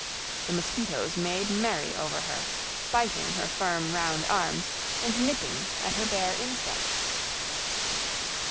The mosquitoes made merry over her, biting her firm, round arms and nipping at her bare insteps.